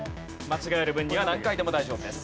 間違える分には何回でも大丈夫です。